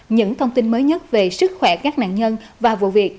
những thông tin mới nhất về sức khỏe các nạn nhân và vụ việc